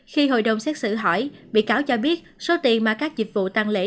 khi hội đồng xét xử hỏi bị cáo cho biết số tiền mà các dịch vụ tăng lễ